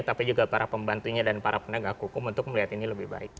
tapi juga para pembantunya dan para penegak hukum untuk melihat ini lebih baik